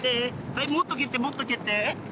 はいもっと蹴ってもっと蹴って。